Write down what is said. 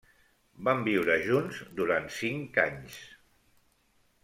Van viure junts durant cinc anys.